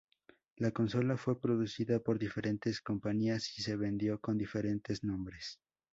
La consola fue producida por diferentes compañías y se vendió con diferentes nombres.